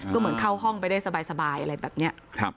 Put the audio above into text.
ก็เหมือนเข้าห้องไปได้สบายอะไรแบบนี้